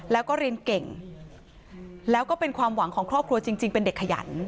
แล้วก็เรียนเก่งแล้วก็เป็นความหวังของครอบครัวจริงเป็นเด็กขยัน